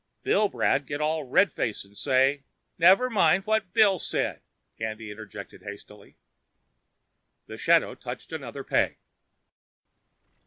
Billbrad get all red face and say " "Never mind what Bill said," Candy interjected hastily. The shadow touched another peg.